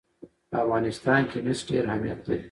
په افغانستان کې مس ډېر اهمیت لري.